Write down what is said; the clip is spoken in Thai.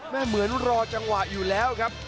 เหมือนรอจังหวะอยู่แล้วครับ